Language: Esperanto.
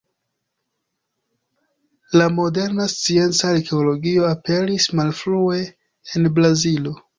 La moderna scienca arkeologio aperis malfrue en Brazilo.